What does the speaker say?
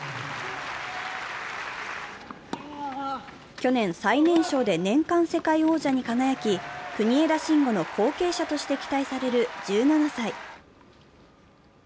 去年、最年少で年間世界王者に輝き、国枝慎吾の後継者として期待される１７歳。